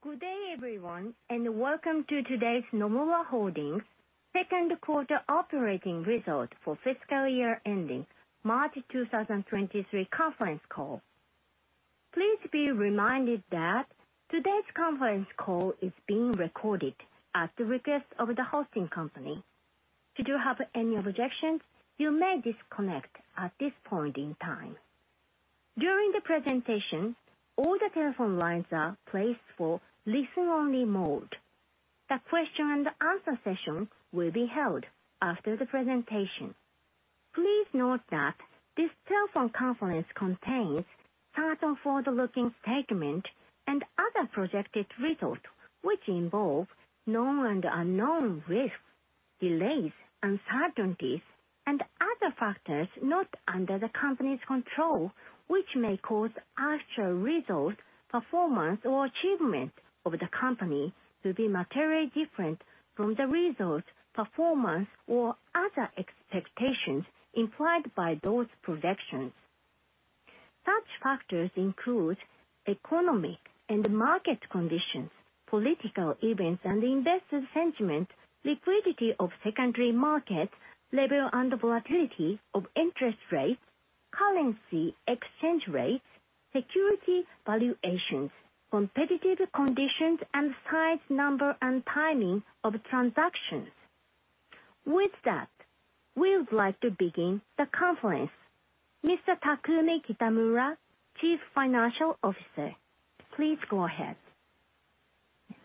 Good day, everyone, and welcome to today's Nomura Holdings second quarter operating result for fiscal year ending March 2023 conference call. Please be reminded that today's conference call is being recorded at the request of the hosting company. Should you have any objections, you may disconnect at this point in time. During the presentation, all the telephone lines are placed for listen-only mode. The question and answer session will be held after the presentation. Please note that this telephone conference contains certain forward-looking statement and other projected results which involve known and unknown risks, delays, uncertainties, and other factors not under the company's control, which may cause actual results, performance, or achievement of the company to be materially different from the results, performance, or other expectations implied by those projections. Such factors include economic and market conditions, political events and investor sentiment, liquidity of secondary markets, level and volatility of interest rates, currency exchange rates, security valuations, competitive conditions, and size, number, and timing of transactions. With that, we would like to begin the conference. Mr. Takumi Kitamura, Chief Financial Officer, please go ahead.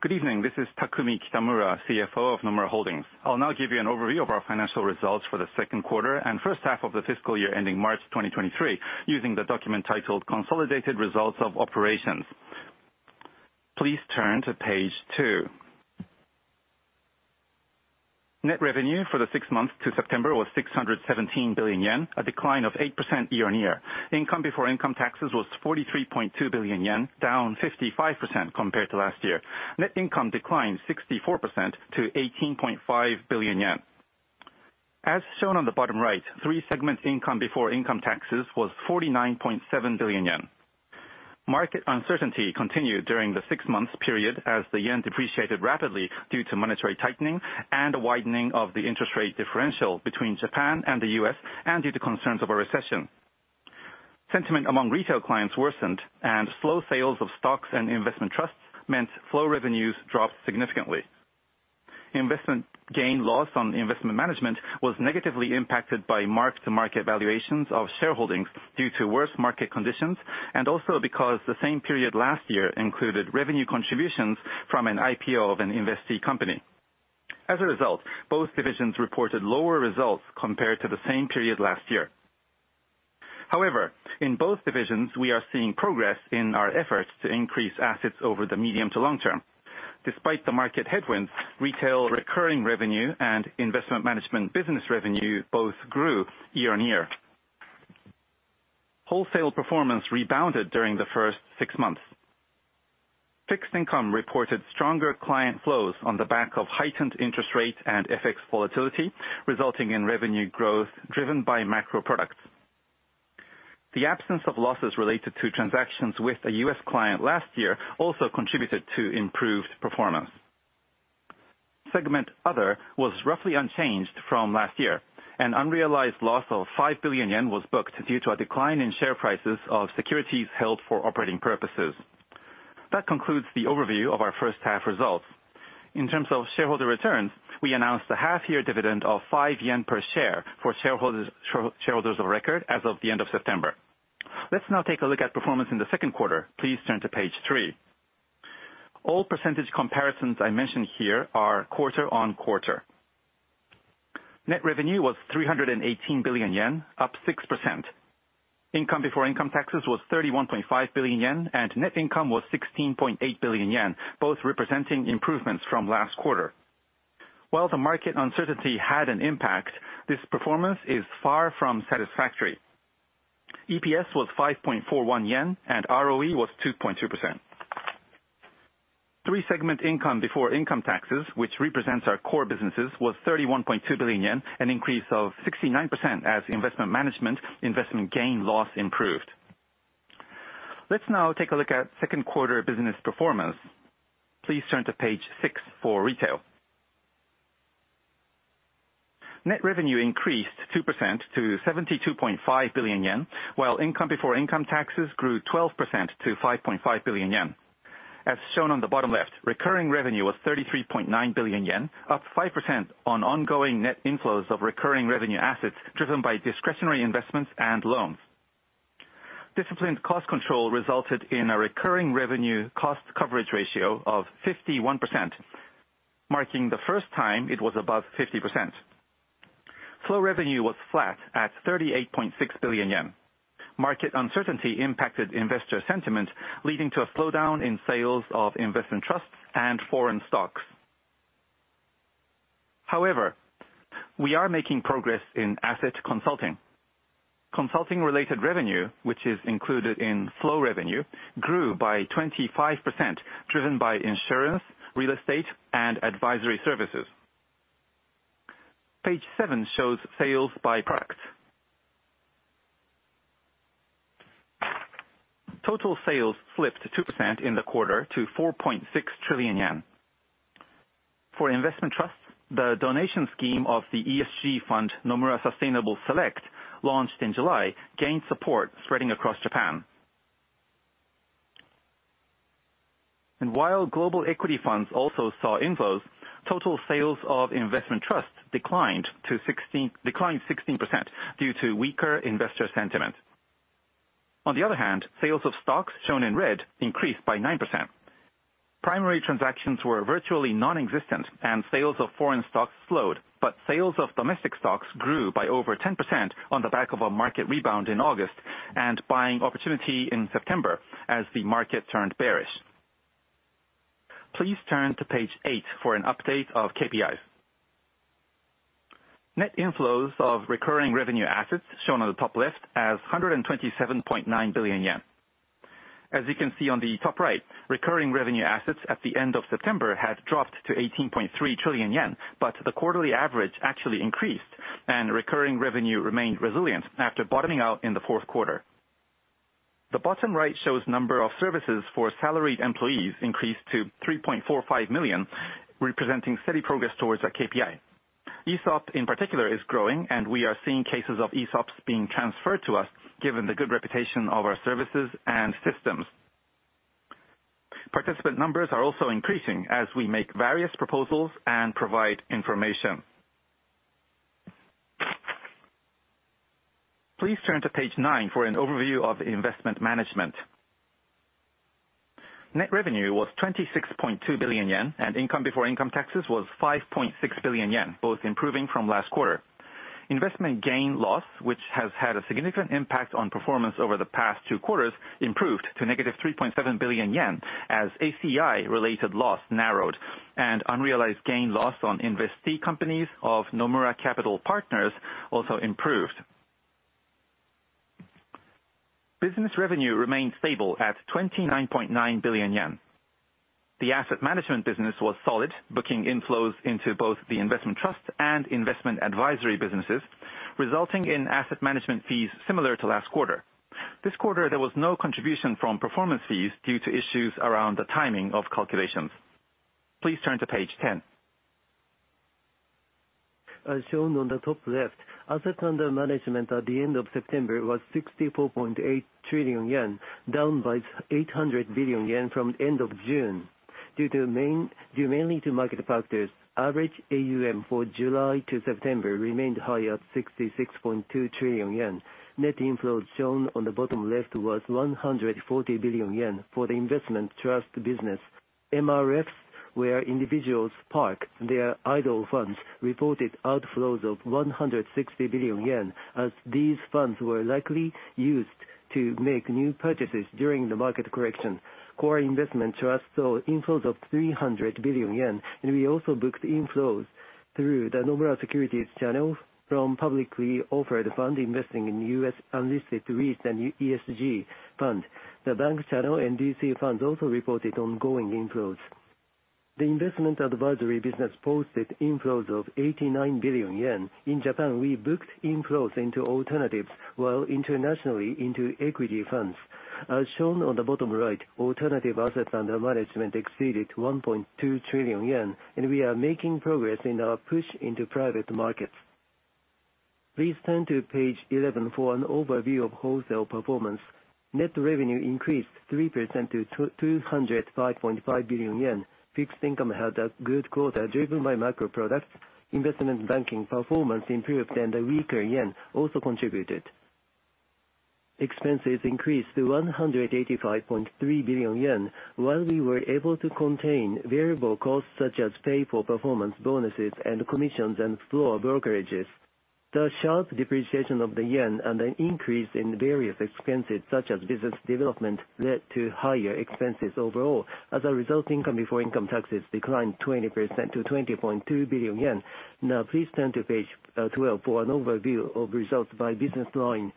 Good evening. This is Takumi Kitamura, CFO of Nomura Holdings. I'll now give you an overview of our financial results for the second quarter and first half of the fiscal year ending March 2023 using the document titled Consolidated Results of Operations. Please turn to page two. Net revenue for the six months to September was 617 billion yen, a decline of 8% year-on-year. Income before income taxes was 43.2 billion yen, down 55% compared to last year. Net income declined 64% to 18.5 billion yen. As shown on the bottom right, three-segment income before income taxes was 49.7 billion yen. Market uncertainty continued during the six-month period as the yen depreciated rapidly due to monetary tightening and a widening of the interest rate differential between Japan and the U.S. and due to concerns of a recession. Sentiment among retail clients worsened, and slow sales of stocks and investment trusts meant slow revenues dropped significantly. Investment gain/loss on investment management was negatively impacted by mark-to-market valuations of shareholdings due to worse market conditions, and also because the same period last year included revenue contributions from an IPO of an investee company. As a result, both divisions reported lower results compared to the same period last year. However, in both divisions we are seeing progress in our efforts to increase assets over the medium to long term. Despite the market headwinds, retail recurring revenue and investment management business revenue both grew year-on-year. Wholesale performance rebounded during the first six months. Fixed income reported stronger client flows on the back of heightened interest rate and FX volatility, resulting in revenue growth driven by macro products. The absence of losses related to transactions with a U.S. client last year also contributed to improved performance. Segment Other was roughly unchanged from last year. An unrealized loss of 5 billion yen was booked due to a decline in share prices of securities held for operating purposes. That concludes the overview of our first half results. In terms of shareholder returns, we announced a half-year dividend of 5 yen per share for shareholders of record as of the end of September. Let's now take a look at performance in the second quarter. Please turn to page three. All percentage comparisons I mention here are quarter-on-quarter. Net revenue was 318 billion yen, up 6%. Income before income taxes was 31.5 billion yen, and net income was 16.8 billion yen, both representing improvements from last quarter. While the market uncertainty had an impact, this performance is far from satisfactory. EPS was 5.41 yen and ROE was 2.2%. Three-segment income before income taxes, which represents our core businesses, was 31.2 billion yen, an increase of 69% as investment management investment gain/loss improved. Let's now take a look at second quarter business performance. Please turn to page six for retail. Net revenue increased 2% to 72.5 billion yen, while income before income taxes grew 12% to 5.5 billion yen. As shown on the bottom left, recurring revenue was 33.9 billion yen, up 5% on ongoing net inflows of recurring revenue assets driven by discretionary investments and loans. Disciplined cost control resulted in a recurring revenue cost coverage ratio of 51%, marking the first time it was above 50%. Wealth revenue was flat at 38.6 billion yen. Market uncertainty impacted investor sentiment, leading to a slowdown in sales of investment trusts and foreign stocks. However, we are making progress in asset consulting. Consulting-related revenue, which is included in wealth revenue, grew by 25%, driven by insurance, real estate, and advisory services. Page seven shows sales by product. Total sales slipped 2% in the quarter to 4.6 trillion yen. For investment trusts, the donation scheme of the ESG fund, Nomura Global Sustainable Equity Fund, launched in July, gained support spreading across Japan. While global equity funds also saw inflows, total sales of investment trusts declined 16% due to weaker investor sentiment. On the other hand, sales of stocks shown in red increased by 9%. Primary transactions were virtually non-existent and sales of foreign stocks slowed, but sales of domestic stocks grew by over 10% on the back of a market rebound in August and buying opportunity in September as the market turned bearish. Please turn to page eight for an update of KPIs. Net inflows of recurring revenue assets shown on the top left as 127.9 billion yen. As you can see on the top right, recurring revenue assets at the end of September had dropped to 18.3 trillion yen, but the quarterly average actually increased and recurring revenue remained resilient after bottoming out in the fourth quarter. The bottom right shows number of services for salaried employees increased to 3.45 million, representing steady progress towards our KPI. ESOP in particular is growing, and we are seeing cases of ESOPs being transferred to us given the good reputation of our services and systems. Participant numbers are also increasing as we make various proposals and provide information. Please turn to page nine for an overview of investment management. Net revenue was 26.2 billion yen, and income before income taxes was 5.6 billion yen, both improving from last quarter. Investment gain/loss, which has had a significant impact on performance over the past two quarters, improved to -3.7 billion yen as ACI-related loss narrowed and unrealized gain/loss on investee companies of Nomura Capital Partners also improved. Business revenue remained stable at 29.9 billion yen. The asset management business was solid, booking inflows into both the investment trust and investment advisory businesses, resulting in asset management fees similar to last quarter. This quarter, there was no contribution from performance fees due to issues around the timing of calculations. Please turn to page 10. As shown on the top left, assets under management at the end of September was 64.8 trillion yen, down by 800 billion yen from end of June. Due mainly to market factors, average AUM for July to September remained high at 66.2 trillion yen. Net inflows shown on the bottom left was 140 billion yen for the investment trust business. MMFs where individuals park their idle funds reported outflows of 160 billion yen as these funds were likely used to make new purchases during the market correction. Core investment trusts saw inflows of 300 billion yen, and we also booked inflows through the Nomura Securities channel from publicly offered fund investing in U.S. unlisted REITs and ESG fund. The bank channel and DC funds also reported ongoing inflows. The investment advisory business posted inflows of 89 billion yen. In Japan, we booked inflows into alternatives, while internationally into equity funds. As shown on the bottom right, alternative assets under management exceeded 1.2 trillion yen, and we are making progress in our push into private markets. Please turn to page 11 for an overview of wholesale performance. Net revenue increased 3% to 205.5 billion yen. Fixed income had a good quarter driven by macro products. Investment banking performance improved and the weaker yen also contributed. Expenses increased to 185.3 billion yen while we were able to contain variable costs such as pay for performance bonuses and commissions and floor brokerages. The sharp depreciation of the yen and an increase in various expenses such as business development led to higher expenses overall. As a result, income before income taxes declined 20% to 20.2 billion yen. Now please turn to page twelve for an overview of results by business line.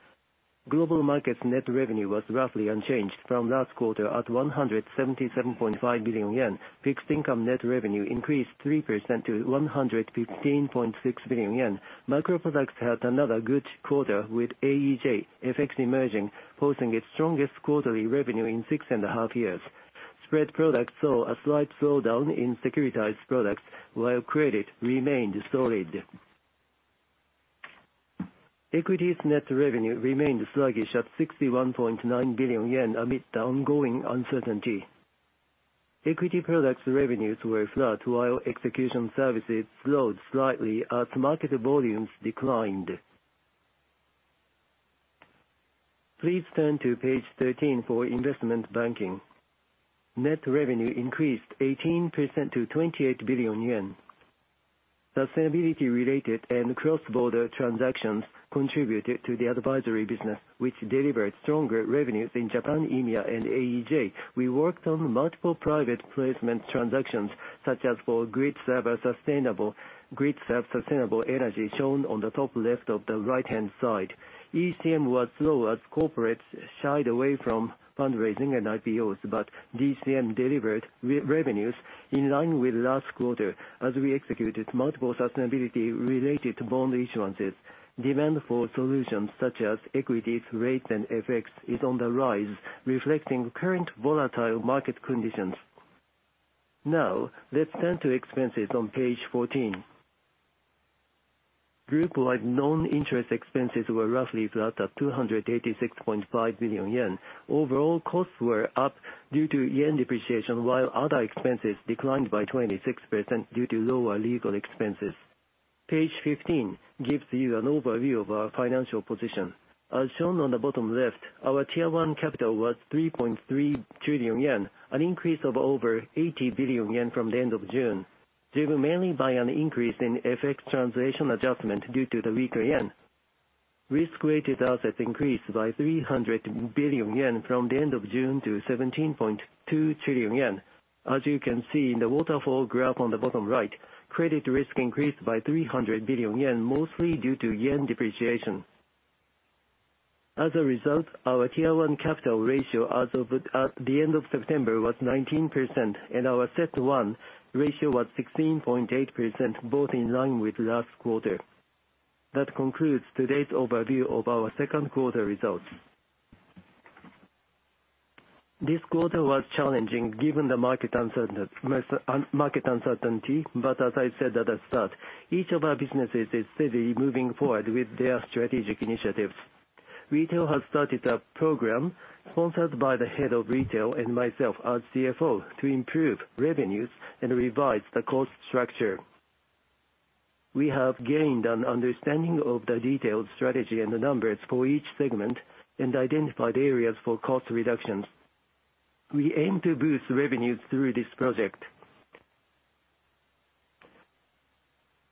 Global markets net revenue was roughly unchanged from last quarter at 177.5 billion yen. Fixed income net revenue increased 3% to 115.6 billion yen. Macro products had another good quarter with AEJ, FX emerging, posting its strongest quarterly revenue in 6.5 years. Spread products saw a slight slowdown in securitized products while credit remained solid. Equities net revenue remained sluggish at 61.9 billion yen amid the ongoing uncertainty. Equity products revenues were flat while execution services slowed slightly as market volumes declined. Please turn to page thirteen for investment banking. Net revenue increased 18% to 28 billion yen. Sustainability-related and cross-border transactions contributed to the advisory business, which delivered stronger revenues in Japan, EMEA, and AEJ. We worked on multiple private placement transactions, such as for GRIDSERVE Sustainable Energy shown on the top left of the right-hand side. ECM was slow as corporates shied away from fundraising and IPOs, but DCM delivered revenues in line with last quarter as we executed multiple sustainability-related bond issuances. Demand for solutions such as equities, rates, and FX is on the rise, reflecting current volatile market conditions. Now let's turn to expenses on page 14. Group-wide non-interest expenses were roughly flat at 286.5 billion yen. Overall costs were up due to yen depreciation, while other expenses declined by 26% due to lower legal expenses. Page 15 gives you an overview of our financial position. As shown on the bottom left, our Tier 1 capital was 3.3 trillion yen, an increase of over 80 billion yen from the end of June, driven mainly by an increase in FX translation adjustment due to the weaker yen. Risk-weighted assets increased by 300 billion yen from the end of June to 17.2 trillion yen. As you can see in the waterfall graph on the bottom right, credit risk increased by 300 billion yen, mostly due to yen depreciation. As a result, our Tier 1 capital ratio as of the end of September was 19%, and our CET1 ratio was 16.8%, both in line with last quarter. That concludes today's overview of our second quarter results. This quarter was challenging given the market uncertainty, but as I said at the start, each of our businesses is steadily moving forward with their strategic initiatives. Retail has started a program sponsored by the Head of Retail and myself as CFO to improve revenues and revise the cost structure. We have gained an understanding of the detailed strategy and the numbers for each segment and identified areas for cost reductions. We aim to boost revenues through this project.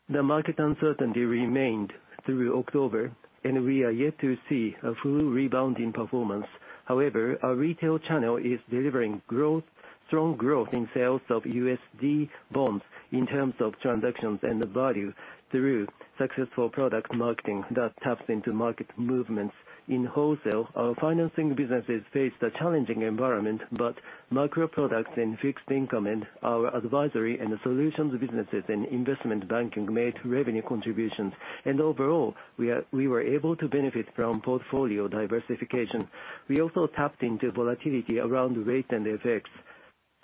The market uncertainty remained through October, and we are yet to see a full rebound in performance. However, our retail channel is delivering strong growth in sales of USD bonds in terms of transactions and value through successful product marketing that taps into market movements. In wholesale, our financing businesses faced a challenging environment, but macro products and fixed income, and our advisory and solutions businesses and investment banking made revenue contributions. Overall, we were able to benefit from portfolio diversification. We also tapped into volatility around rates and FX.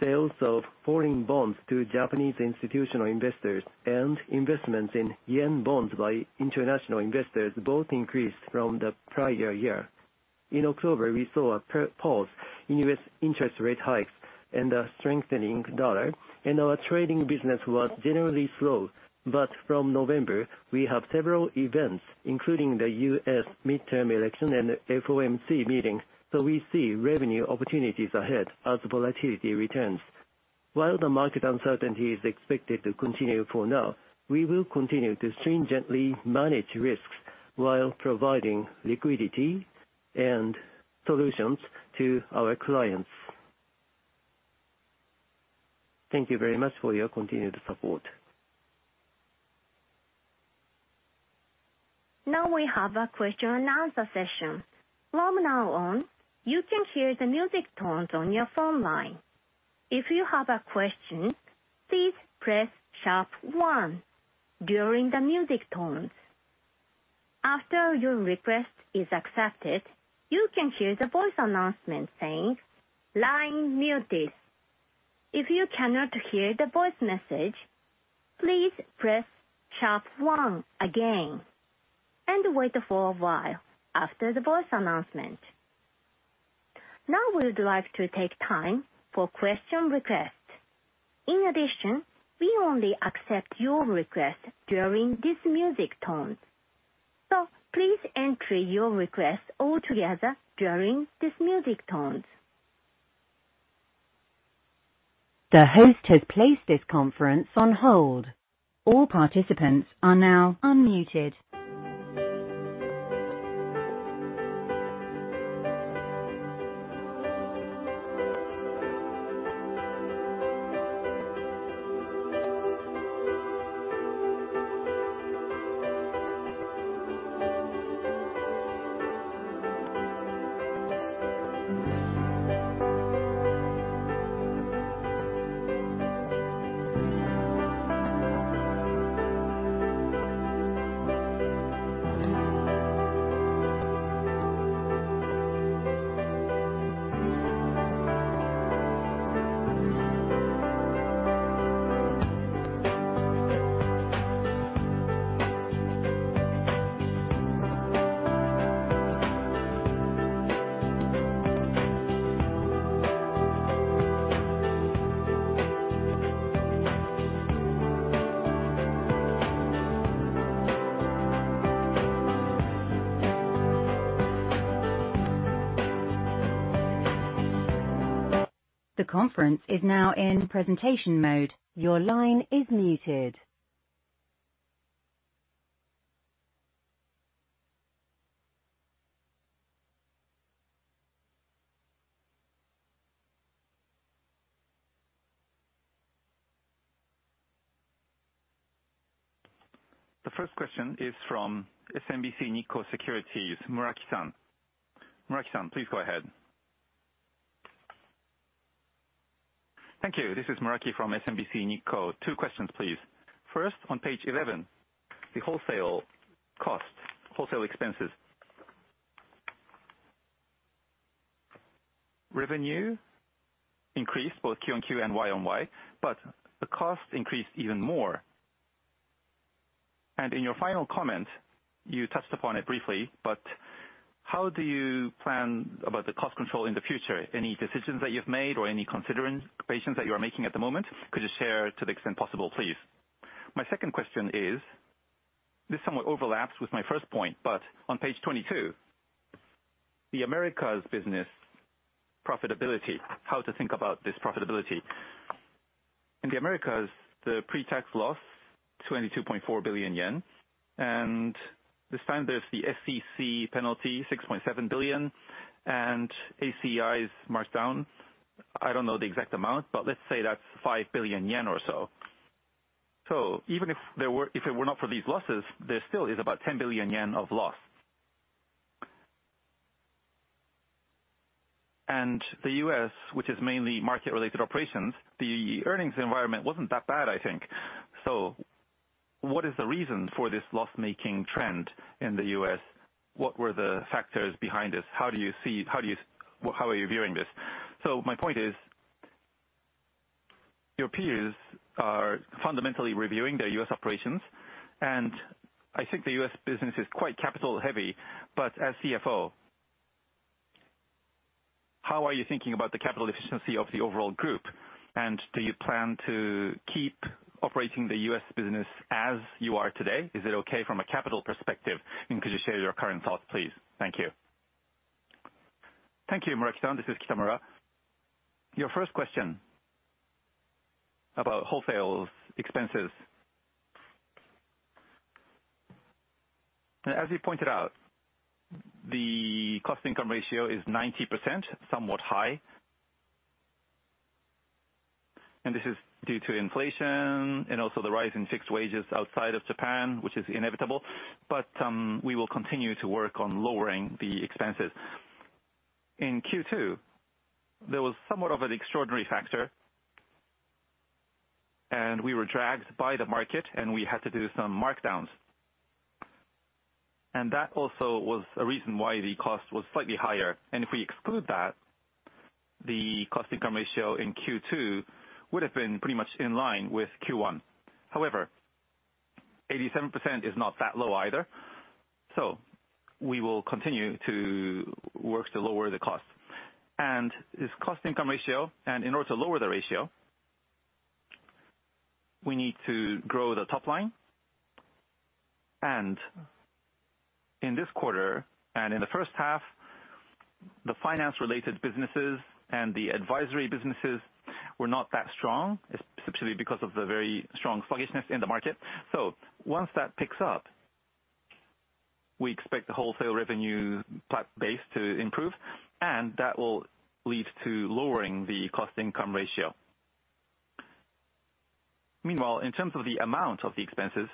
Sales of foreign bonds to Japanese institutional investors and investments in yen bonds by international investors both increased from the prior year. In October, we saw a pause in U.S. interest rate hikes and a strengthening U.S. dollar, and our trading business was generally slow. From November, we have several events, including the U.S. midterm election and FOMC meeting, so we see revenue opportunities ahead as volatility returns. While the market uncertainty is expected to continue for now, we will continue to stringently manage risks while providing liquidity and solutions to our clients. Thank you very much for your continued support. Now we have a question and answer session. From now on, you can hear the music tones on your phone line. If you have a question, please press sharp one during the music tones. After your request is accepted, you can hear the voice announcement saying, "Line muted." If you cannot hear the voice message, please press sharp one again and wait for a while after the voice announcement. Now we would like to take time for question requests. In addition, we only accept your request during this music tone. Please enter your request all together during this music tones. The host has placed this conference on hold. All participants are now unmuted. The conference is now in presentation mode. Your line is muted. The first question is from SMBC Nikko Securities, Masao Muraki-san. Masao Muraki-san, please go ahead. Thank you. This is Masao Muraki from SMBC Nikko. Two questions, please. First, on page 11, the wholesale cost, wholesale expenses. Revenue increased both Q-on-Q and Y-on-Y, but the cost increased even more. In your final comment, you touched upon it briefly, but how do you plan about the cost control in the future? Any decisions that you've made or any considerations that you are making at the moment, could you share to the extent possible, please? My second question is, this somewhat overlaps with my first point, but on page 22, the Americas business profitability. How to think about this profitability. In the Americas, the pre-tax loss, 22.4 billion yen. This time there's the SEC penalty, 6.7 billion, and ACI's marked down, I don't know the exact amount, but let's say that's 5 billion yen or so. Even if it were not for these losses, there still is about 10 billion yen of loss. The U.S., which is mainly market-related operations, the earnings environment wasn't that bad, I think. What is the reason for this loss-making trend in the U.S.? What were the factors behind this? How are you viewing this? My point is, your peers are fundamentally reviewing their U.S. operations, and I think the U.S. business is quite capital heavy. As CFO, how are you thinking about the capital efficiency of the overall group? And do you plan to keep operating the U.S. business as you are today? Is it okay from a capital perspective? And could you share your current thoughts, please? Thank you. Thank you. Muraki. This is Kitamura. Your first question about wholesale expenses. As you pointed out, the cost income ratio is 90%, somewhat high. This is due to inflation and also the rise in fixed wages outside of Japan, which is inevitable. We will continue to work on lowering the expenses. In Q2, there was somewhat of an extraordinary factor, and we were dragged by the market and we had to do some markdowns. That also was a reason why the cost was slightly higher. If we exclude that, the cost income ratio in Q2 would have been pretty much in line with Q1. However, 87% is not that low either. We will continue to work to lower the cost. This cost income ratio, and in order to lower the ratio, we need to grow the top line. In this quarter and in the first half, the finance related businesses and the advisory businesses were not that strong, especially because of the very strong sluggishness in the market. Once that picks up, we expect the wholesale revenue platform base to improve and that will lead to lowering the cost income ratio. Meanwhile, in terms of the amount of the expenses,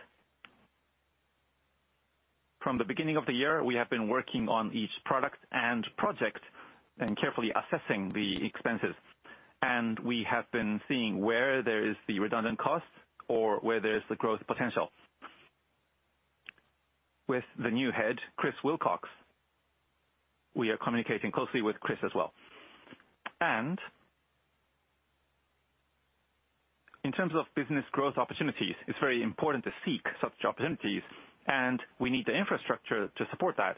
from the beginning of the year, we have been working on each product and project and carefully assessing the expenses. We have been seeing where there is the redundant cost or where there is the growth potential. With the new head, Christopher Willcox, we are communicating closely with Chris as well. In terms of business growth opportunities, it's very important to seek such opportunities and we need the infrastructure to support that.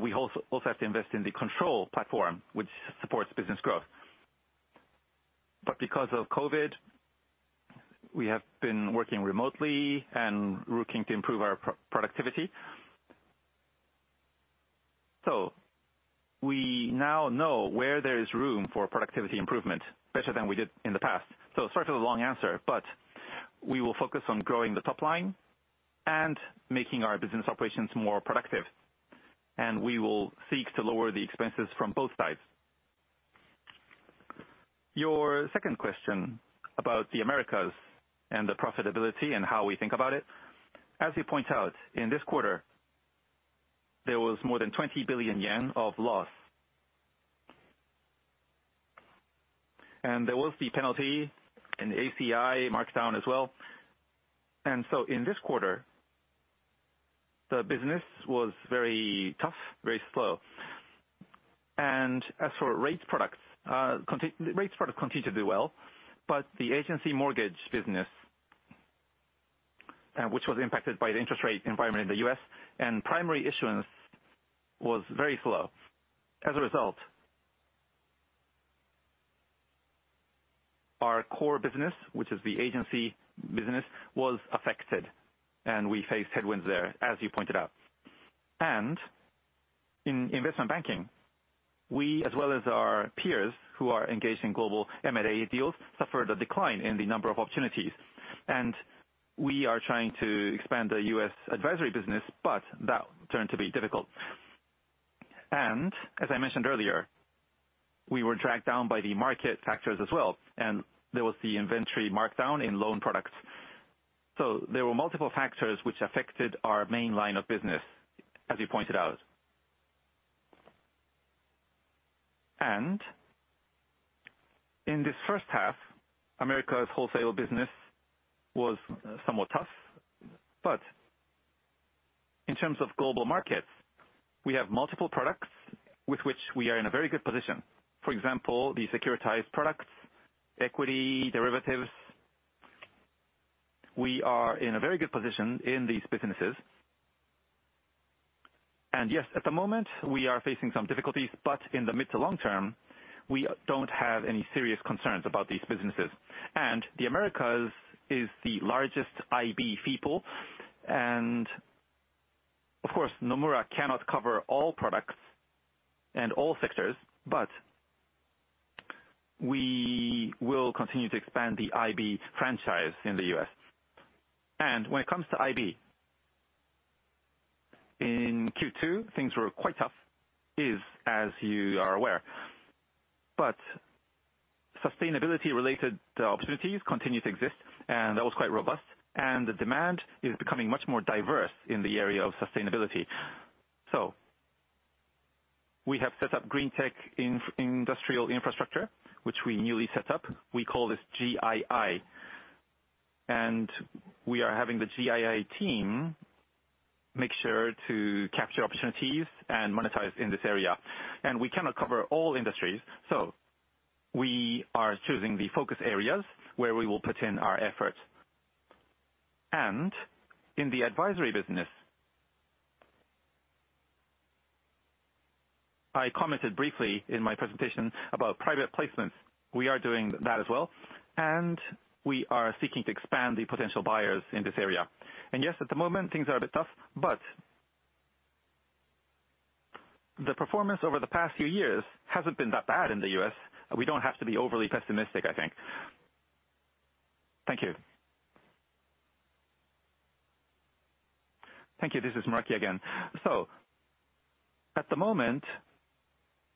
We also have to invest in the control platform which supports business growth. Because of COVID, we have been working remotely and looking to improve our productivity. We now know where there is room for productivity improvement better than we did in the past. Sorry for the long answer, but we will focus on growing the top line and making our business operations more productive, and we will seek to lower the expenses from both sides. Your second question about the Americas and the profitability and how we think about it. As you point out, in this quarter, there was more than 20 billion yen of loss. There was the penalty and ACI marked down as well. In this quarter, the business was very tough, very slow. As for rates products, rates products continue to do well, but the agency mortgage business, which was impacted by the interest rate environment in the U.S. and primary issuance, was very slow. As a result, our core business, which is the agency business, was affected and we faced headwinds there, as you pointed out. In investment banking, we as well as our peers who are engaged in global M&A deals, suffered a decline in the number of opportunities. We are trying to expand the U.S. advisory business, but that turned out to be difficult. As I mentioned earlier, we were dragged down by the market factors as well, and there was the inventory markdown in loan products. There were multiple factors which affected our main line of business, as you pointed out. In this first half, Americas wholesale business was somewhat tough. In terms of global markets, we have multiple products with which we are in a very good position. For example, the securitized products, equity derivatives. We are in a very good position in these businesses. Yes, at the moment, we are facing some difficulties, but in the mid to long term, we don't have any serious concerns about these businesses. The Americas is the largest IB people. Of course, Nomura cannot cover all products and all sectors, but we will continue to expand the IB franchise in the U.S. When it comes to IB, in Q2, things were quite tough, as you are aware. Sustainability related opportunities continue to exist, and that was quite robust, and the demand is becoming much more diverse in the area of sustainability. We have set up Nomura Greentech in industrial infrastructure, which we newly set up. We call this GII, and we are having the GII team make sure to capture opportunities and monetize in this area. We cannot cover all industries, so we are choosing the focus areas where we will put in our effort. In the advisory business, I commented briefly in my presentation about private placements. We are doing that as well, and we are seeking to expand the potential buyers in this area. Yes, at the moment things are a bit tough, but the performance over the past few years hasn't been that bad in the U.S., and we don't have to be overly pessimistic, I think. Thank you. Thank you. This is Muraki again. At the moment,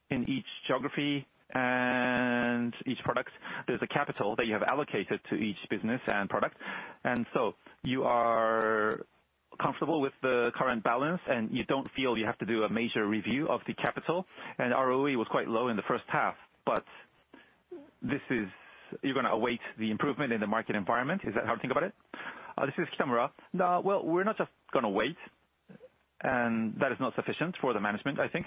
in each geography and each product, there's a capital that you have allocated to each business and product. You are comfortable with the current balance, and you don't feel you have to do a major review of the capital. ROE was quite low in the first half. You're gonna await the improvement in the market environment. Is that how to think about it? This is Kitamura. No. Well, we're not just gonna wait. That is not sufficient for the management, I think.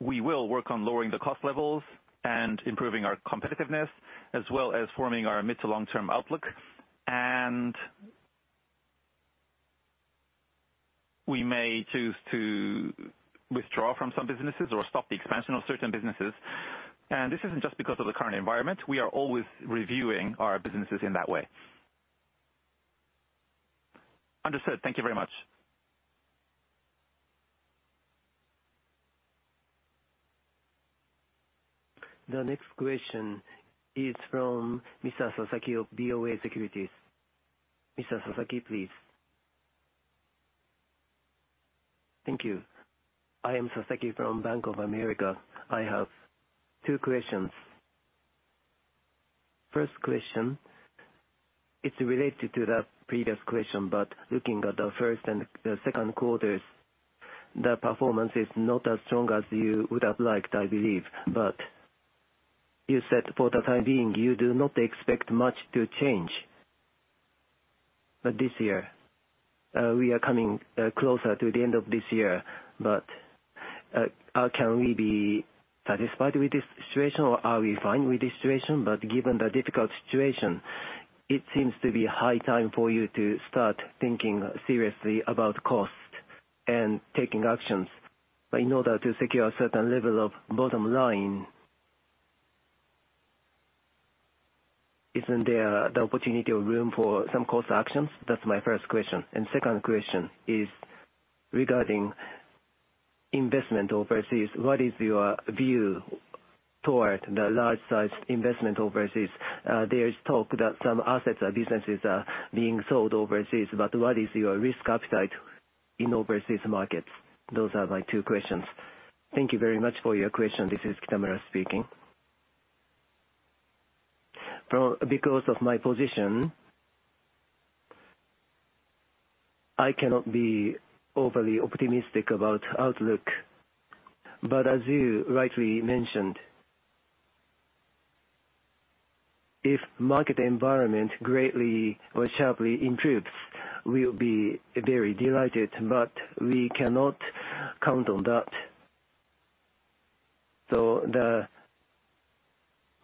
We will work on lowering the cost levels and improving our competitiveness as well as forming our mid- to long-term outlook. We may choose to withdraw from some businesses or stop the expansion of certain businesses. This isn't just because of the current environment. We are always reviewing our businesses in that way. Understood. Thank you very much. The next question is from Mr. Sasaki of BofA Securities. Mr. Sasaki, please. Thank you. I am Sasaki from Bank of America. I have two questions. First question, it's related to the previous question, but looking at the first and the second quarters, the performance is not as strong as you would have liked, I believe. You said for the time being, you do not expect much to change. This year, we are coming closer to the end of this year, but how can we be satisfied with this situation or are we fine with this situation? Given the difficult situation, it seems to be high time for you to start thinking seriously about cost and taking actions in order to secure a certain level of bottom line. Isn't there the opportunity or room for some cost actions? That's my first question. Second question is regarding investment overseas. What is your view toward the large size investment overseas? There is talk that some assets or businesses are being sold overseas, but what is your risk appetite in overseas markets? Those are my two questions. Thank you very much for your question. This is Kitamura speaking. Because of my position, I cannot be overly optimistic about outlook. As you rightly mentioned, if market environment greatly or sharply improves, we'll be very delighted, but we cannot count on that.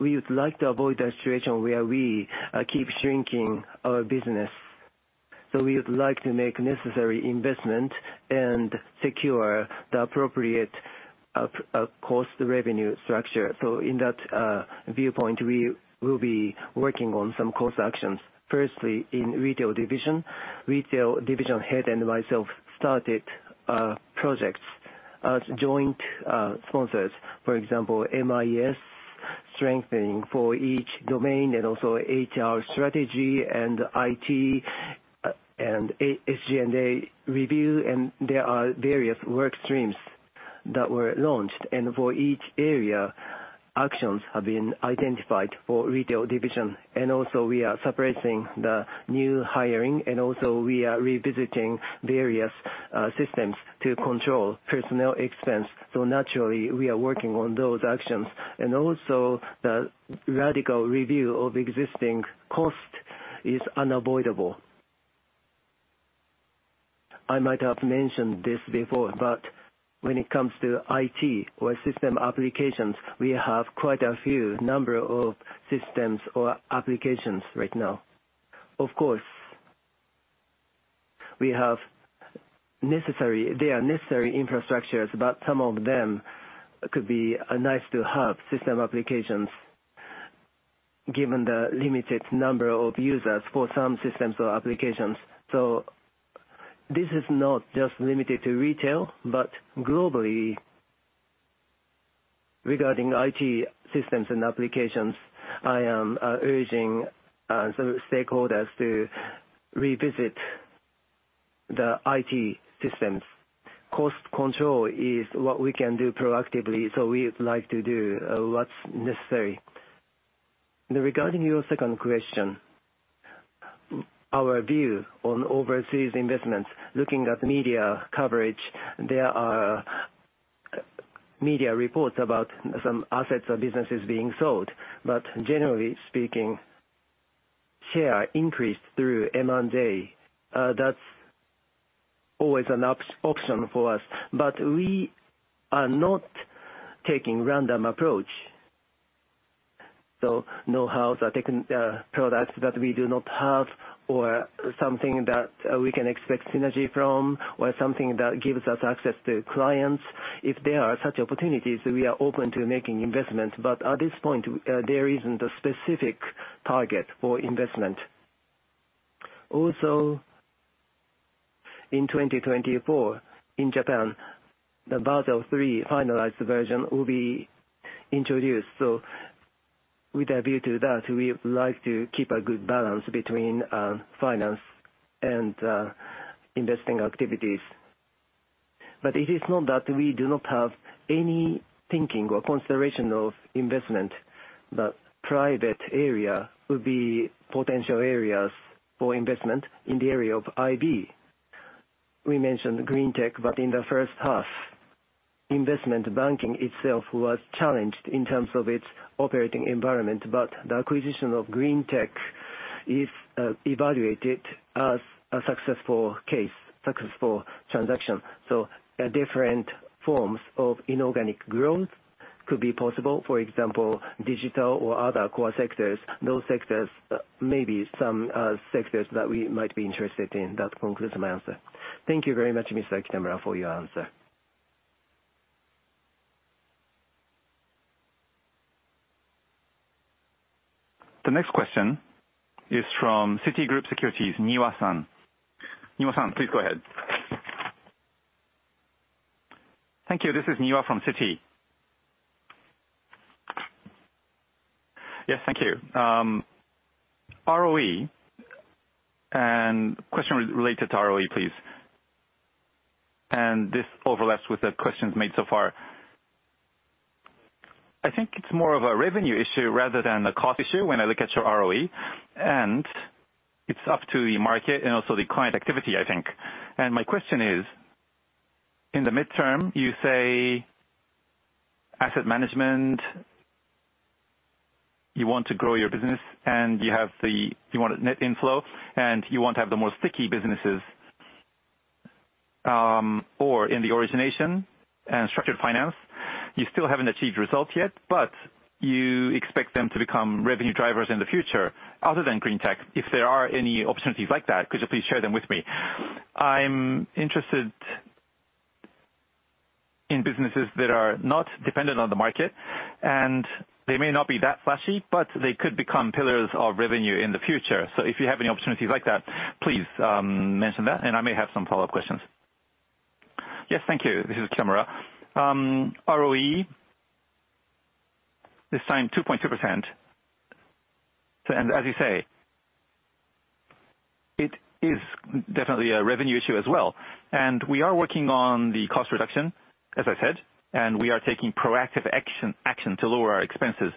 We would like to avoid a situation where we keep shrinking our business, so we would like to make necessary investment and secure the appropriate cost revenue structure. In that viewpoint, we will be working on some cost actions. Firstly, in retail division, retail division head and myself started projects as joint sponsors. For example, MIS strengthening for each domain and also HR strategy and IT and a SG&A review. There are various work streams that were launched. For each area, actions have been identified for retail division. We are suppressing the new hiring and also we are revisiting various systems to control personnel expense. Naturally we are working on those actions. The radical review of existing costs is unavoidable. I might have mentioned this before, but when it comes to IT or system applications, we have quite a few number of systems or applications right now. Of course, we have necessary infrastructures, but some of them could be nice to have system applications, given the limited number of users for some systems or applications. This is not just limited to retail, but globally, regarding IT systems and applications, I am urging some stakeholders to revisit the IT systems. Cost control is what we can do proactively, so we like to do what's necessary. Now, regarding your second question, our view on overseas investments, looking at media coverage, there are media reports about some assets or businesses being sold, but generally speaking, shares increased through M&A. That's always an option for us, but we are not taking random approach. Know-hows or products that we do not have or something that we can expect synergy from or something that gives us access to clients. If there are such opportunities, we are open to making investments. But at this point, there isn't a specific target for investment. Also, in 2024, in Japan, the Basel III finalized version will be introduced. With a view to that, we like to keep a good balance between finance and investing activities. It is not that we do not have any thinking or consideration of investment, but private area would be potential areas for investment in the area of IB. We mentioned Nomura Greentech, but in the first half, investment banking itself was challenged in terms of its operating environment. The acquisition of Nomura Greentech is evaluated as a successful case, successful transaction. Different forms of inorganic growth could be possible. For example, digital or other core sectors, those sectors may be some, sectors that we might be interested in. That concludes my answer. Thank you very much, Mr. Kitamura, for your answer. The next question is from Citigroup, Niwa-san. Niwa-san, please go ahead. Thank you. This is Niwa from Citigroup. Yes, thank you. ROE and question related to ROE, please. This overlaps with the questions made so far. I think it's more of a revenue issue rather than a cost issue when I look at your ROE, and it's up to the market and also the client activity, I think. My question is, in the midterm, you say asset management, you want to grow your business and you want a net inflow, and you want to have the more sticky businesses, or in the origination and structured finance. You still haven't achieved results yet, but you expect them to become revenue drivers in the future other than Nomura Greentech. If there are any opportunities like that, could you please share them with me? I'm interested in businesses that are not dependent on the market, and they may not be that flashy, but they could become pillars of revenue in the future. If you have any opportunities like that, please, mention that, and I may have some follow-up questions. Yes, thank you. This is Kitamura. ROE, this time 2.2%. As you say, it is definitely a revenue issue as well. We are working on the cost reduction, as I said, and we are taking proactive action to lower our expenses.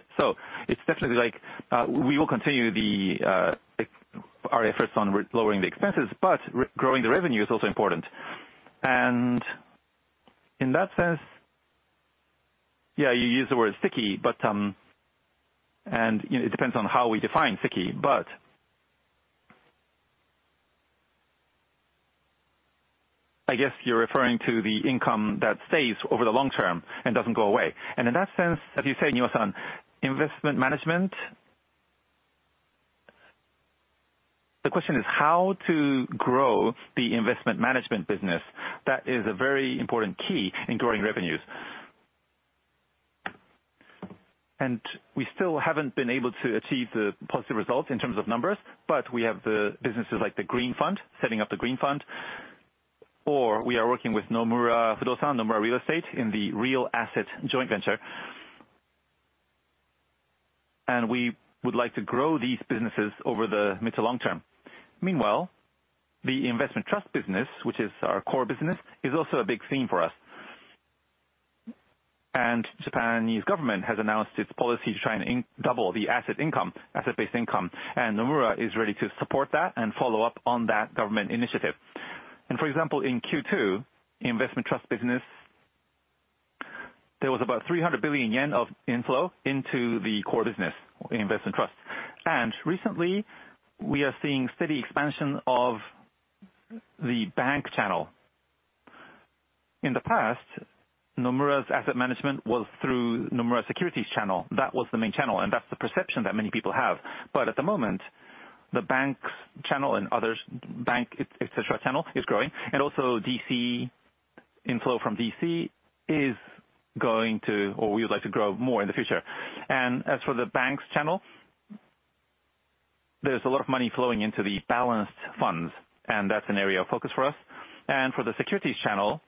It's definitely like, we will continue the our efforts on lowering the expenses, but growing the revenue is also important. In that sense, yeah, you use the word sticky, but, and it depends on how we define sticky. I guess you're referring to the income that stays over the long term and doesn't go away. In that sense, as you say, Niwa-san, investment management. The question is how to grow the investment management business. That is a very important key in growing revenues. We still haven't been able to achieve the positive results in terms of numbers, but we have the businesses like the green fund, setting up the green fund, or we are working with Nomura Real Estate in the real asset joint venture. We would like to grow these businesses over the mid to long term. Meanwhile, the investment trust business, which is our core business, is also a big theme for us. Japan's government has announced its policy to try and double the asset income, asset-based income, and Nomura is ready to support that and follow up on that government initiative. For example, in Q2, investment trust business. There was about 300 billion yen of inflow into the core business in investment trust. Recently we are seeing steady expansion of the bank channel. In the past, Nomura's asset management was through Nomura Securities channel. That was the main channel, and that's the perception that many people have. At the moment, the bank's channel and others, bank et cetera channel is growing and also DC inflow from DC is going to, or we would like to grow more in the future. As for the banks channel, there's a lot of money flowing into the balanced funds, and that's an area of focus for us. For the securities channel,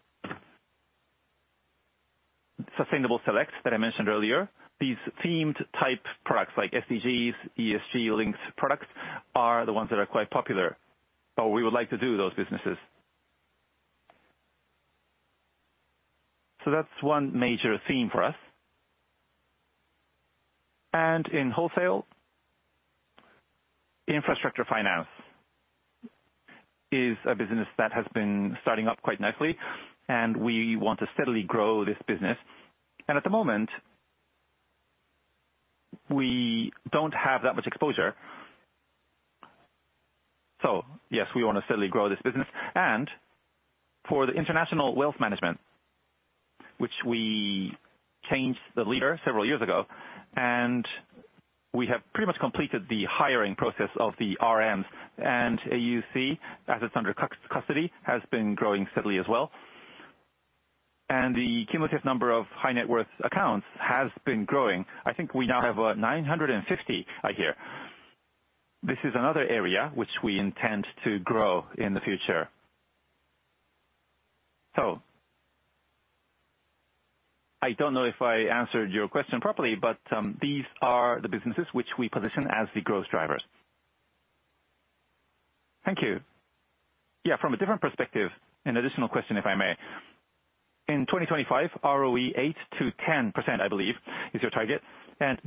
sustainable selects that I mentioned earlier, these themed type products like SDGs, ESG links products are the ones that are quite popular, or we would like to do those businesses. That's one major theme for us. In wholesale infrastructure finance is a business that has been starting up quite nicely, and we want to steadily grow this business. At the moment, we don't have that much exposure. Yes, we wanna steadily grow this business. For the international wealth management, which we changed the leader several years ago, and we have pretty much completed the hiring process of the RMs. You see assets under custody has been growing steadily as well. The cumulative number of high net worth accounts has been growing. I think we now have 950 I hear. This is another area which we intend to grow in the future. I don't know if I answered your question properly, but these are the businesses which we position as the growth drivers. Thank you. Yeah. From a different perspective, an additional question if I may. In 2025, ROE 8%-10%, I believe, is your target.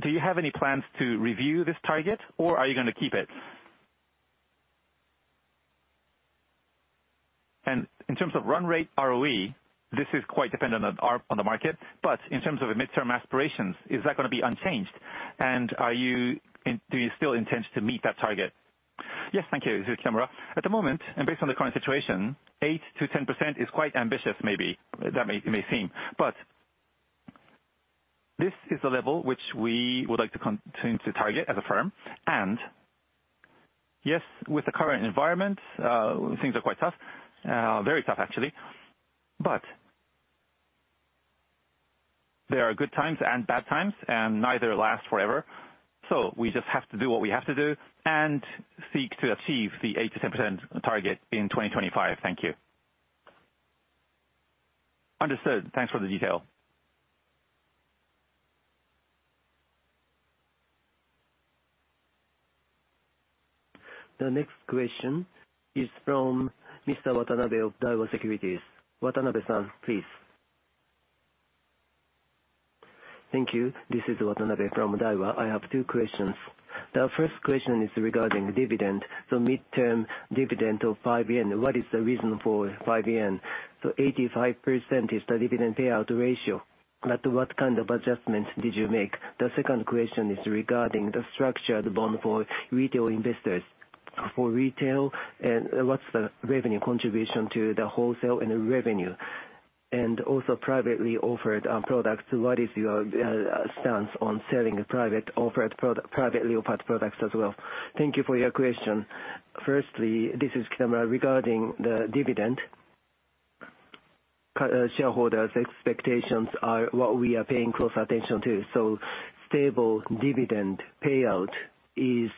Do you have any plans to review this target or are you gonna keep it? In terms of run rate ROE, this is quite dependent on the market, but in terms of the midterm aspirations, is that gonna be unchanged? Do you still intend to meet that target? Yes, thank you. This is Kitamura. At the moment, and based on the current situation, 8%-10% is quite ambitious, maybe. That may seem, but this is the level which we would like to continue to target as a firm. Yes, with the current environment, things are quite tough, very tough actually. There are good times and bad times, and neither lasts forever. We just have to do what we have to do and seek to achieve the 8%-10% target in 2025. Thank you. Understood. Thanks for the detail. The next question is from Mr. Watanabe of Daiwa Securities. Watanabe San, please. Thank you. This is Watanabe from Daiwa. I have two questions. The first question is regarding dividend, the midterm dividend of 5 yen. What is the reason for 5 yen? 85% is the dividend payout ratio. But what kind of adjustments did you make? The second question is regarding the structured bond for retail investors. For retail, and what's the revenue contribution to the wholesale and revenue? And also privately offered products, what is your stance on selling privately offered products as well? Thank you for your question. Firstly, this is Kitamura, regarding the dividend, shareholders expectations are what we are paying close attention to. Stable dividend payout is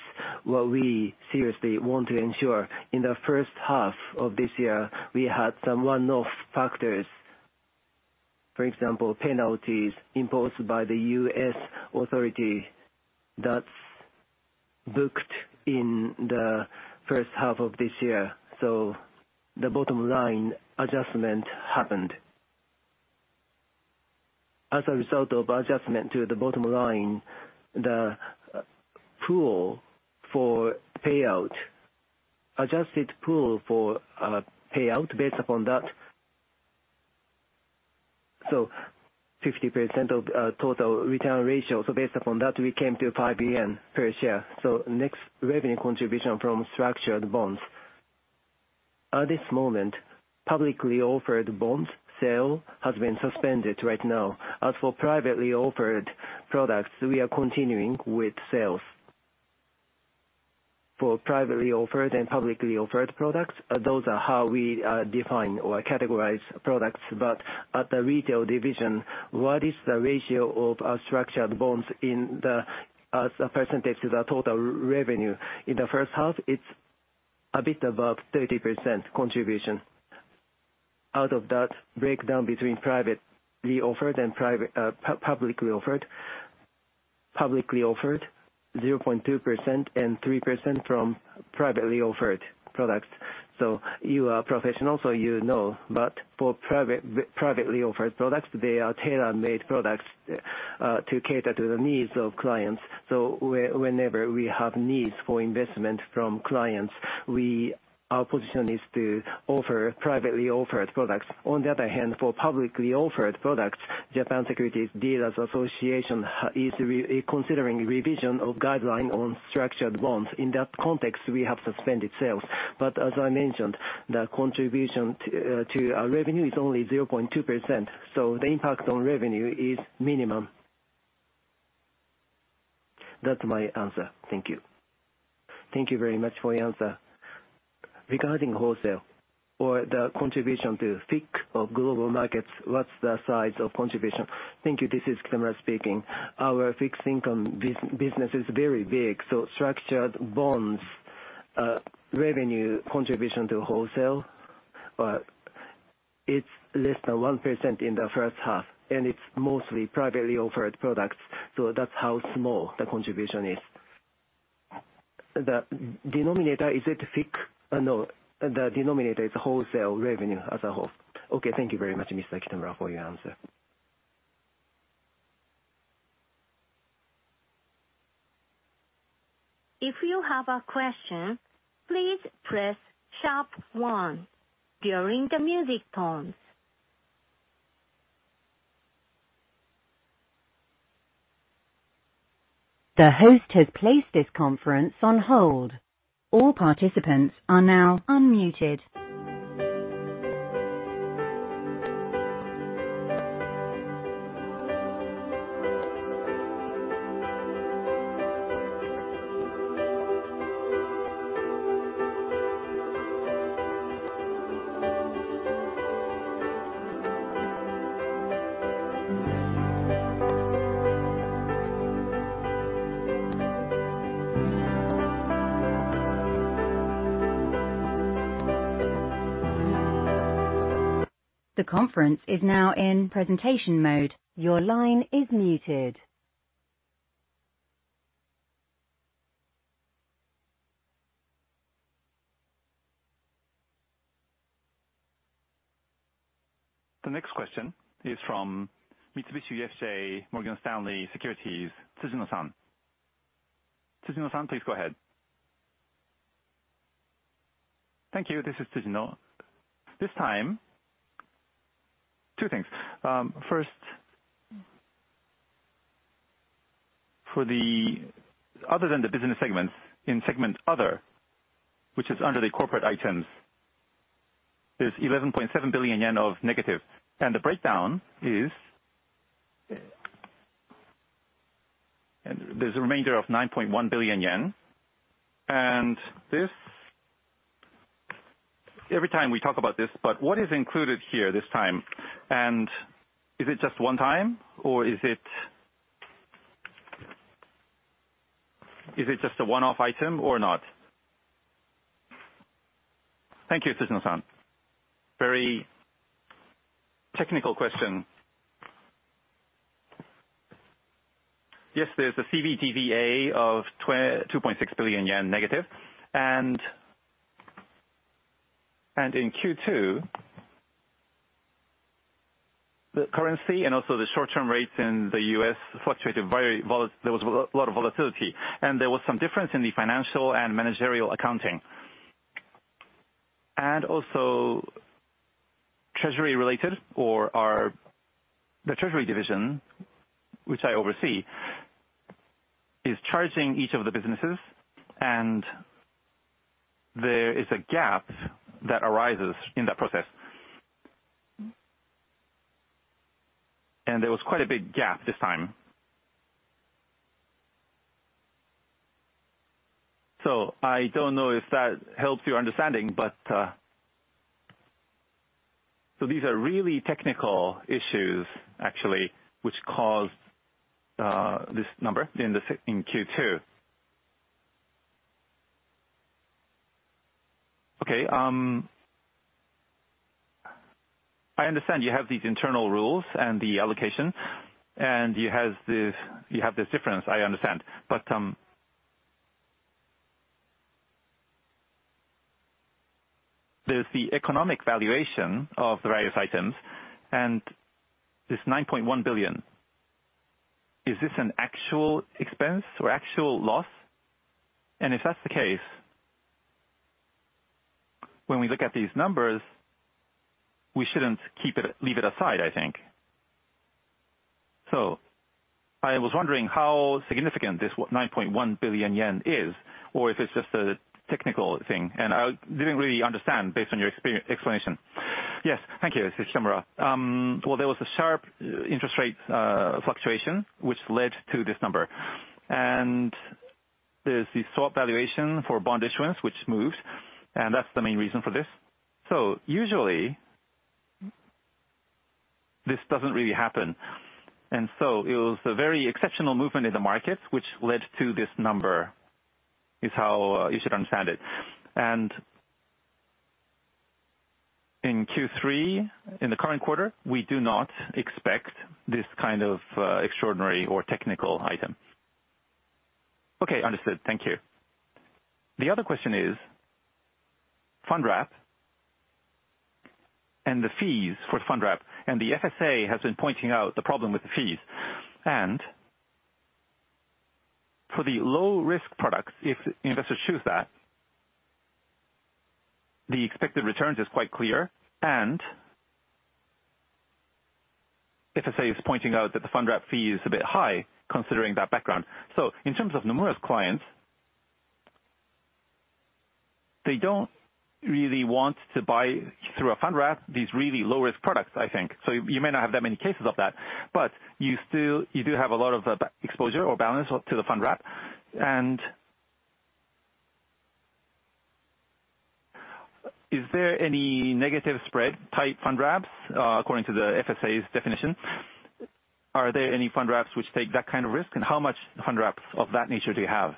what we seriously want to ensure. In the first half of this year, we had some one-off factors. For example, penalties imposed by the U.S. authority that's booked in the first half of this year. The bottom line adjustment happened. As a result of adjustment to the bottom line, the pool for payout, adjusted pool for payout based upon that. 50% of total return ratio. Based upon that, we came to 5 yen per share. Next, revenue contribution from structured bonds. At this moment, publicly offered bonds sale has been suspended right now. As for privately offered products, we are continuing with sales. For privately offered and publicly offered products, those are how we define or categorize products. At the retail division, what is the ratio of our structured bonds in the, as a percentage to the total revenue? In the first half, it's a bit above 30% contribution. Out of that breakdown between privately offered and publicly offered, 0.2% and 3% from privately offered products. You are professional, so you know. For privately offered products, they are tailor-made products, to cater to the needs of clients. Whenever we have needs for investment from clients, our position is to offer privately offered products. On the other hand, for publicly offered products, Japan Securities Dealers Association is reconsidering revision of guideline on structured bonds. In that context, we have suspended sales. As I mentioned, the contribution to our revenue is only 0.2%, so the impact on revenue is minimal. That's my answer. Thank you. Thank you very much for your answer. Regarding wholesale or the contribution to FICC or global markets, what's the size of contribution? Thank you. This is Kitamura speaking. Our fixed income business is very big, so structured bonds revenue contribution to wholesale, it's less than 1% in the first half, and it's mostly privately offered products. That's how small the contribution is. The denominator, is it FICC? No. The denominator is wholesale revenue as a whole. Okay, thank you very much, Mr. Kitamura, for your answer. If you have a question, please press sharp one during the music tones. The host has placed this conference on hold. All participants are now unmuted. The conference is now in presentation mode. Your line is muted. The next question is from Mitsubishi UFJ Morgan Stanley Securities, Tsujino-san. Tsujino-san, please go ahead. Thank you. This is Tsujino. This time, two things. First, other than the business segments, in segment other, which is under the corporate items, there's 11.7 billion yen of negative. The breakdown is. There's a remainder of 9.1 billion yen. This, every time we talk about this, but what is included here this time? Is it just one-time or is it just a one-off item or not? Thank you, Tsujino-san. Very technical question. Yes, there's a CVA/DVA of 22.6 billion yen negative. In Q2, the currency and also the short-term rates in the U.S. fluctuated very. There was a lot of volatility, and there was some difference in the financial and managerial accounting. Treasury related or our, the treasury division, which I oversee, is charging each of the businesses and there is a gap that arises in that process. There was quite a big gap this time. I don't know if that helps your understanding. These are really technical issues actually which caused this number in Q2. Okay. I understand you have these internal rules and the allocation, and you have this difference, I understand. There's the economic valuation of the various items and this 9.1 billion. Is this an actual expense or actual loss? If that's the case, when we look at these numbers, we shouldn't keep it, leave it aside, I think. I was wondering how significant this 9.1 billion yen is or if it's just a technical thing. I didn't really understand based on your explanation. Yes. Thank you. This is Kitamura. Well, there was a sharp interest rate fluctuation which led to this number. There's the swap valuation for bond issuance, which moves, and that's the main reason for this. Usually, this doesn't really happen. It was a very exceptional movement in the markets which led to this number, is how you should understand it. In Q3, in the current quarter, we do not expect this kind of extraordinary or technical item. Okay, understood. Thank you. The other question is fund wrap and the fees for fund wrap, and the FSA has been pointing out the problem with the fees. For the low-risk products, if investors choose that, the expected returns is quite clear and FSA is pointing out that the fund wrap fee is a bit high considering that background. In terms of Nomura's clients, they don't really want to buy through a fund wrap, these really low-risk products, I think. You may not have that many cases of that, but you still do have a lot of exposure or balance to the fund wrap. Is there any negative spread type fund wraps according to the FSA's definition? Are there any fund wraps which take that kind of risk and how much fund wraps of that nature do you have?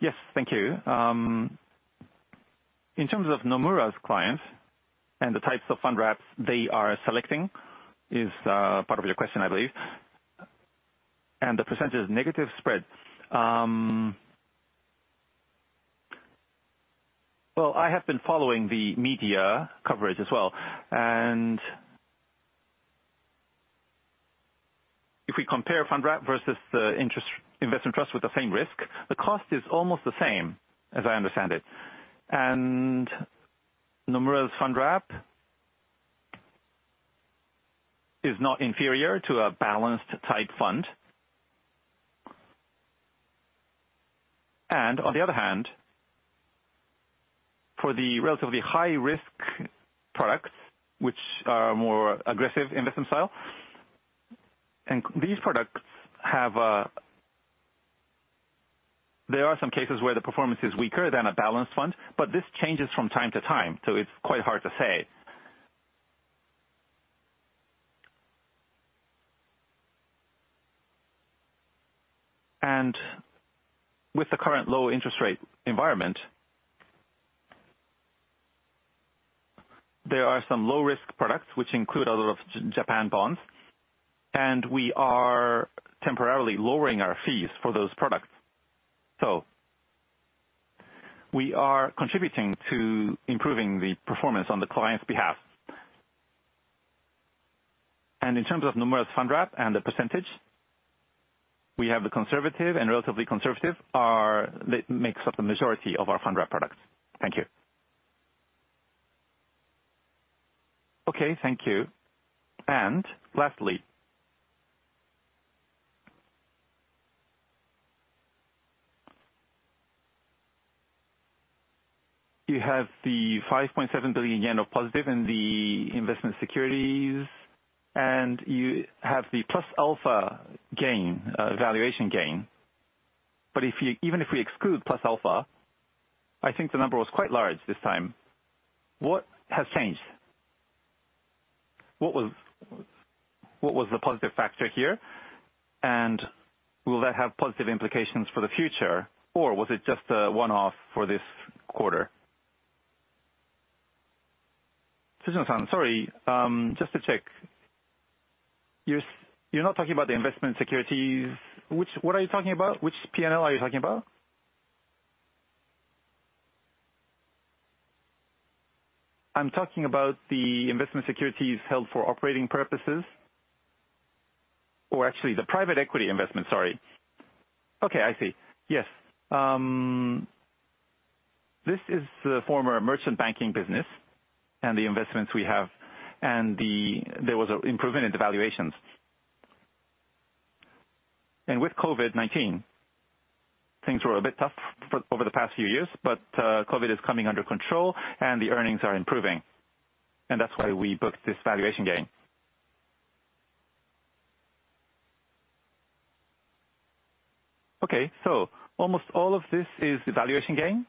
Yes, thank you. In terms of Nomura's clients and the types of fund wraps they are selecting is part of your question, I believe. The percentage is negative spread. Well, I have been following the media coverage as well, and if we compare fund wrap versus the interest investment trust with the same risk, the cost is almost the same as I understand it. Nomura's fund wrap is not inferior to a balanced type fund. On the other hand, for the relatively high risk products which are more aggressive investment style, there are some cases where the performance is weaker than a balanced fund, but this changes from time to time, so it's quite hard to say. With the current low interest rate environment, there are some low risk products which include a lot of Japan bonds, and we are temporarily lowering our fees for those products. We are contributing to improving the performance on the client's behalf. In terms of Nomura's fund wrap and the percentage, we have the conservative and relatively conservative makes up the majority of our fund wrap products. Thank you. Okay, thank you. Lastly, you have the 5.7 billion yen of positive in the investment securities, and you have the Plus Alpha gain, valuation gain. Even if we exclude Plus Alpha, I think the number was quite large this time. What has changed? What was the positive factor here, and will that have positive implications for the future, or was it just a one-off for this quarter? Tsujino-san, sorry. Just to check. You're not talking about the investment securities. Which, what are you talking about? Which P&L are you talking about? I'm talking about the investment securities held for operating purposes, or actually the private equity investment. Sorry. Okay, I see. Yes. This is the former merchant banking business and the investments we have, and there was an improvement in the valuations. With COVID-19, things were a bit tough for over the past few years. COVID is coming under control and the earnings are improving, and that's why we booked this valuation gain. Okay. Almost all of this is the valuation gain.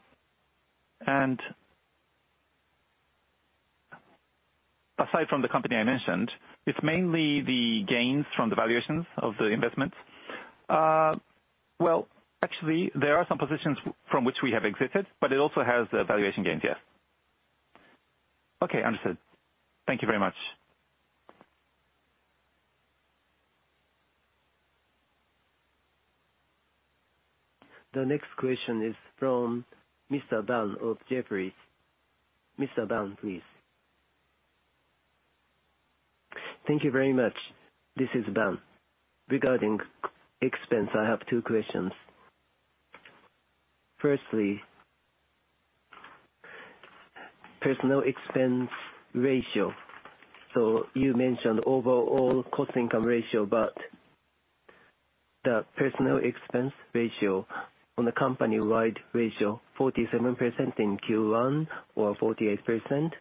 Aside from the company I mentioned, it's mainly the gains from the valuations of the investments. Well, actually, there are some positions from which we have exited, but it also has the valuation gains, yes. Okay, understood. Thank you very much. The next question is from Mr. Ban of Jefferies. Mr. Ban, please. Thank you very much. This is Ban. Regarding expense, I have two questions. Firstly, personnel expense ratio. You mentioned overall cost income ratio, but the personnel expense ratio on the company-wide ratio 47% in Q1 or 48%.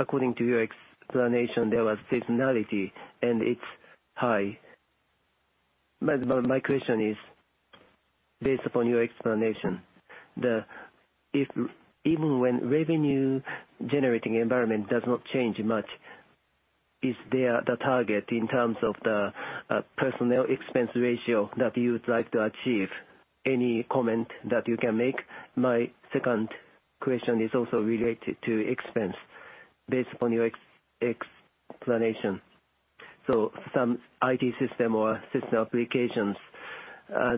According to your explanation, there was seasonality and it's high. My question is, based upon your explanation, if even when revenue generating environment does not change much, is there the target in terms of the personnel expense ratio that you would like to achieve? Any comment that you can make? My second question is also related to expense based on your explanation. Some IT system or system applications,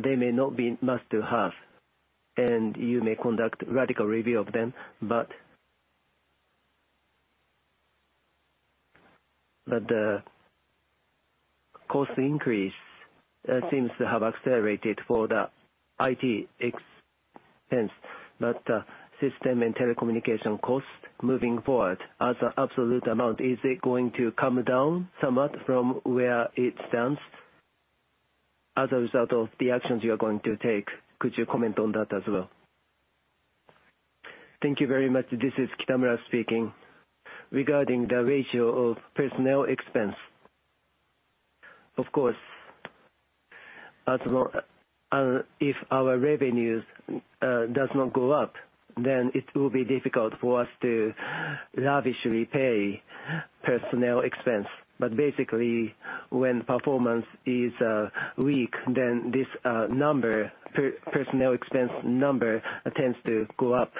they may not be must to have, and you may conduct radical review of them, but. The cost increase seems to have accelerated for the IT expense, but system and telecommunication costs moving forward as an absolute amount, is it going to come down somewhat from where it stands as a result of the actions you are going to take? Could you comment on that as well? Thank you very much. This is Kitamura speaking. Regarding the ratio of personnel expense, of course, if our revenues does not go up, then it will be difficult for us to lavishly pay personnel expense. Basically, when performance is weak, then this per-personnel expense number tends to go up.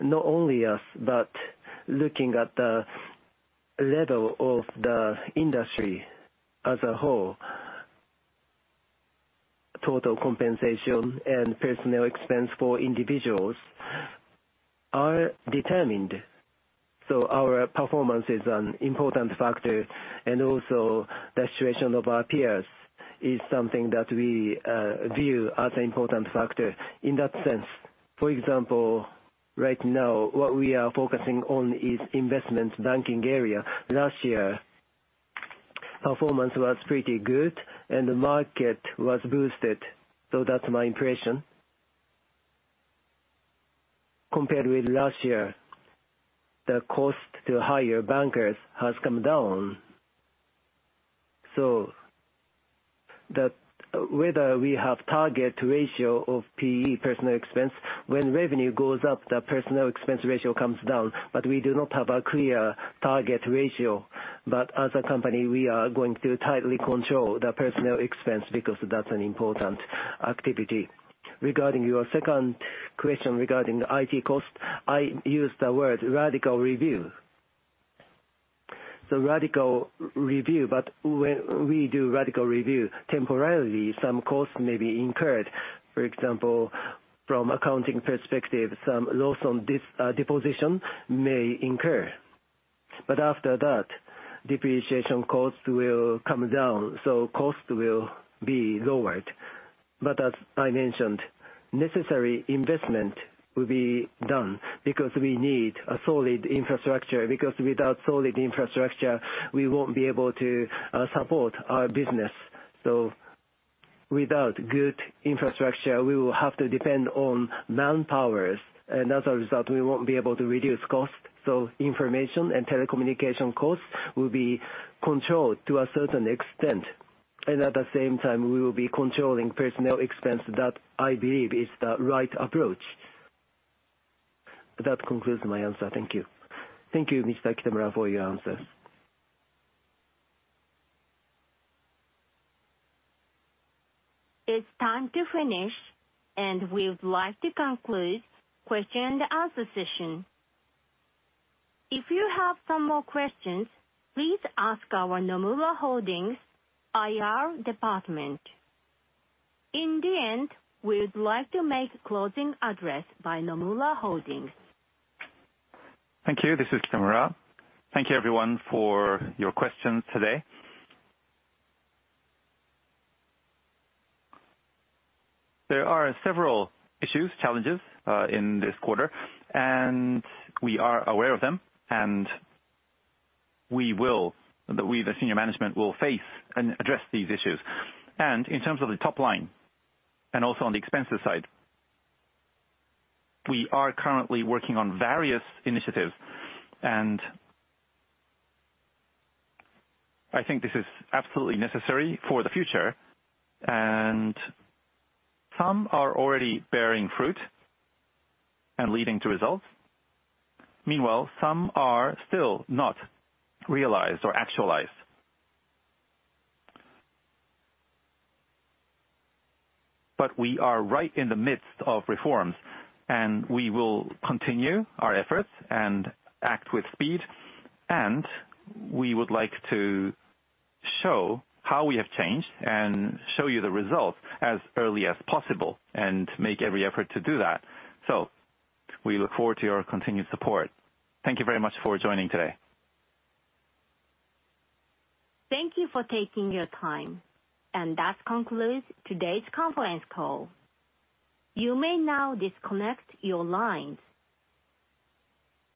Not only us, but looking at the level of the industry as a whole, total compensation and personnel expense for individuals are determined. Our performance is an important factor, and also the situation of our peers is something that we view as an important factor. In that sense, for example, right now, what we are focusing on is investment banking area. Last year, performance was pretty good and the market was boosted, so that's my impression. Compared with last year, the cost to hire bankers has come down. The. Whether we have target ratio of PE, personnel expense, when revenue goes up, the personnel expense ratio comes down, but we do not have a clear target ratio. As a company, we are going to tightly control the personnel expense because that's an important activity. Regarding your second question regarding the IT cost, I used the word radical review. Radical review, when we do radical review, temporarily, some costs may be incurred. For example, from accounting perspective, some loss on disposition may incur, but after that, depreciation costs will come down, so cost will be lowered. As I mentioned, necessary investment will be done because we need a solid infrastructure, because without solid infrastructure, we won't be able to support our business. Without good infrastructure, we will have to depend on manpower, and as a result, we won't be able to reduce cost. Information and telecommunication costs will be controlled to a certain extent, and at the same time, we will be controlling personnel expense. That, I believe, is the right approach. That concludes my answer. Thank you. Thank you, Mr. Kitamura, for your answers. It's time to finish, and we would like to conclude question and answer session. If you have some more questions, please ask our Nomura Holdings IR department. In the end, we would like to make closing address by Nomura Holdings. Thank you. This is Kitamura. Thank you everyone for your questions today. There are several issues, challenges, in this quarter, and we are aware of them, and we, the senior management, will face and address these issues. In terms of the top line and also on the expenses side, we are currently working on various initiatives, and I think this is absolutely necessary for the future, and some are already bearing fruit and leading to results. Meanwhile, some are still not realized or actualized. We are right in the midst of reforms, and we will continue our efforts and act with speed, and we would like to show how we have changed and show you the results as early as possible and make every effort to do that. We look forward to your continued support. Thank you very much for joining today. Thank you for taking your time, and that concludes today's conference call. You may now disconnect your lines.